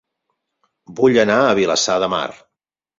Vull anar a Vilassar de Mar